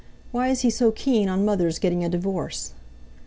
Why is he so keen on mother's getting a divorce?"